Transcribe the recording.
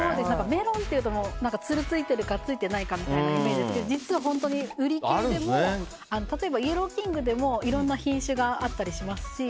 メロンっていうとつるがついてるかついてないかみたいなイメージですけど例えば、イエローキングでもいろんな品種があったりしますし。